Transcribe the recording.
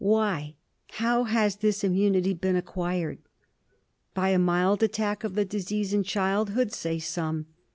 Why? Howhasthis immunity been acquired ? By a mild attack of the disease in childhood, say some.